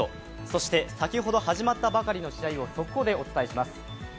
そして先ほど始まったばかりの試合を速報でお伝えします。